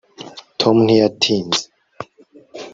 tom ntiyatinze